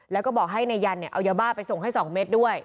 แล้วก็บอกให้นายยันเอายาบ้าไปส่งให้๒เม็ดด้วย